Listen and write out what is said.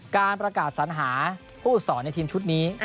การประกาศสัญหาผู้สอนในทีมชุดนี้